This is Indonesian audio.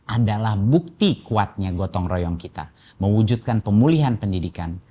adalah bukti kuatnya gotong royong kita mewujudkan pemulihan pendidikan